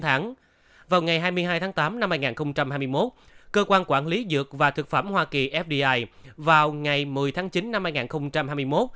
tháng vào ngày hai mươi hai tháng tám năm hai nghìn hai mươi một cơ quan quản lý dược và thực phẩm hoa kỳ fdi vào ngày một mươi tháng chín năm hai nghìn hai mươi một